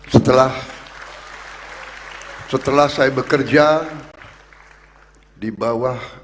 setelah setelah saya bekerja di bawah